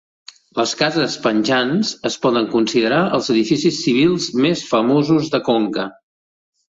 Les cases penjants es poden considerar els edificis civils més famosos de Conca.